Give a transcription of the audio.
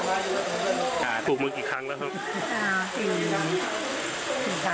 อ่าถูกมึงกี่ครั้งแล้วฮะ